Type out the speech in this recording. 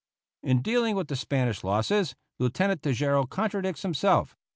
In dealing with the Spanish losses, Lieutenant Tejeiro contradicts himself.